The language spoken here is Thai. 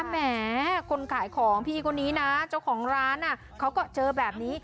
แหมคนขายของพี่คนนี้นะเจ้าของร้านเขาก็เจอแบบนี้